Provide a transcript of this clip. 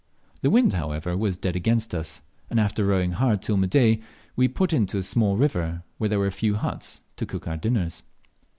The wind, however, was dead against us, and after rowing hard till midday we put in to a small river where there were few huts, to cook our dinners.